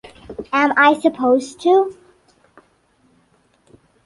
Am I supposed to ?